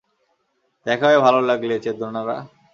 দেখা হয়ে ভালো লাগলে, চেদনারা।